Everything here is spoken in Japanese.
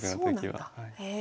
あそうなんだ。